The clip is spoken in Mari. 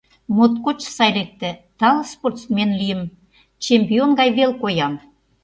Моткоч сай лекте: тале спортсмен лийым — чемпион гае веле коям.